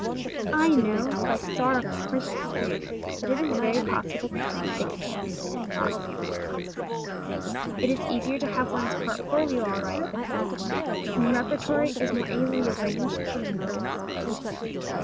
I know by sorrowful personal experience that it is very possible to sing a sacred song and not sing it for Jesus. It is easier to have one's portfolio all right than one's heart, and the repertory is more easily arranged than the motives.